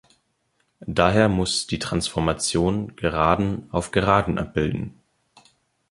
Daher muss die Transformation Geraden auf Geraden abbilden.